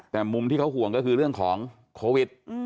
แต่มุมที่เขาห่วงก็คือเรื่องของโควิด